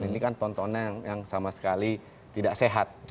ini kan tontonan yang sama sekali tidak sehat